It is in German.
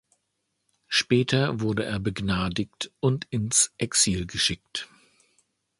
Später wurde er begnadigt und ins Exil geschickt.